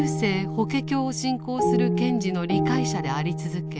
法華経」を信仰する賢治の理解者であり続け